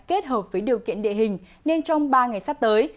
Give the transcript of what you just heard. kết hợp với điều kiện địa hình nên trong ba ngày sắp tới